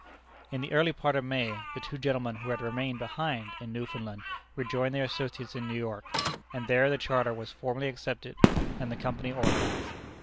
In the early part of May, the two gentlemen who had remained behind in Newfoundland rejoined their associates in New York, and there the charter was formally accepted and the Company organized.